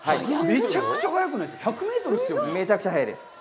めちゃくちゃ速くないですか！？